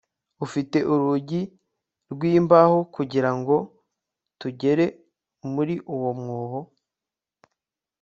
ufite urugi rw imbaho kugira ngo tugere muri uwo mwobo